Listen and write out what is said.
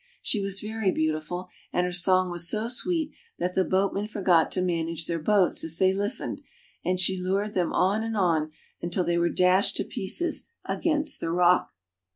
She was very beautiful, and her song was so sweet that the boatmen for got to manage their boats as they listened, and she lured them on and on until they were dashed to pieces against the rock.